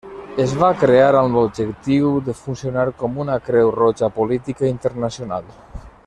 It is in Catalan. Es va crear amb l'objectiu de funcionar com una Creu Roja política internacional.